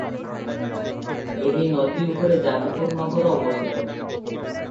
ଏହି ନଦୀ ଉପରେ ଯାଜପୁର ନଗର ଅବସ୍ଥିତ ।